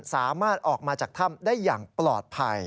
สามารถออกมาจากถ้ำได้อย่างปลอดภัย